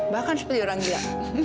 bahkan seperti orang dia